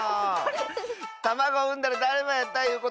たまごをうんだらだるまやったいうことか？